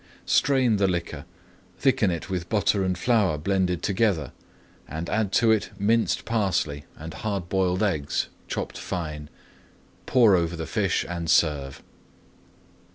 Strain the liquor, thicken it with butter and flour blended together, and add to it minced parsley [Page 214] and hard boiled eggs, chopped fine. Pour over the fish and serve.